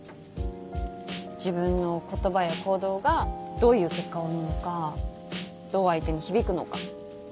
自分の言葉や行動がどういう結果を生むのかどう相手に響くのか。